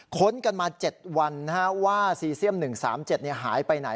ค้นกันมา๗วันว่าซีเซียม๑๓๗หายไปไหน